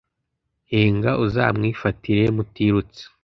henga uzamwifatire mutirutse